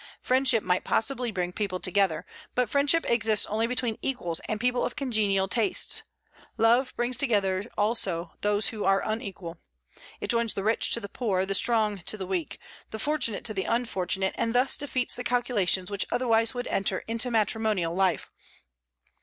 Friendship might possibly bring people together; but friendship exists only between equals and people of congenial tastes. Love brings together also those who are unequal. It joins the rich to the poor, the strong to the weak, the fortunate to the unfortunate, and thus defeats the calculations which otherwise would enter into matrimonial life.